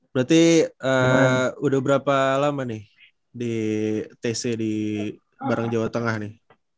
berarti udah berapa lama nih di tc di barang jawa tengah nih